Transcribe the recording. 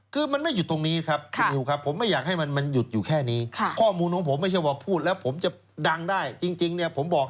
คือมันไม่อยู่ตรงนี้ครับคุณนิวครับ